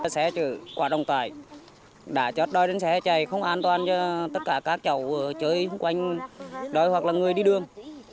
xe chở quả đồng tải đá chót đôi đến xe chạy không an toàn cho tất cả các cháu chơi quanh đôi hoặc là người đi đường